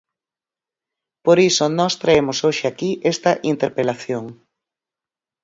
Por iso nós traemos hoxe aquí esta interpelación.